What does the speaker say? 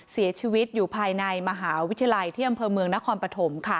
เสียชีวิตอยู่ภายในมหาวิทยาลัยเที่ยมพนครปฐม